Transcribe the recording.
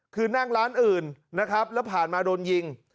คือนั่งร้านอื่นนะครับแล้วผ่านมาโดนยิง